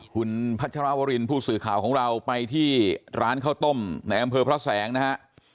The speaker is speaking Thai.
คุณพัชรวรินผู้สื่อข่าวของเราไปที่ร้านข้าวต้มในอำเภอพระแสงนะฮะ